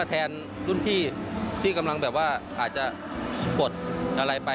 แทนรุ่นพี่ที่กำลังแบบว่าอาจจะกดอะไรไป